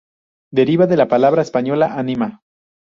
Deriva de la palabra española ánima.